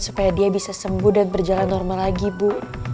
supaya dia bisa sembuh dan berjalan normal lagi bu